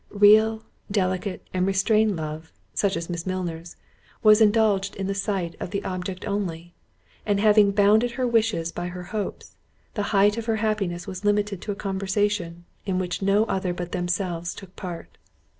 Real, delicate, and restrained love, such as Miss Milner's, was indulged in the sight of the object only; and having bounded her wishes by her hopes, the height of her happiness was limited to a conversation, in which no other but themselves took a part.